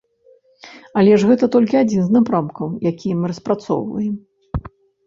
Але ж гэта толькі адзін з напрамкаў, які мы распрацоўваем.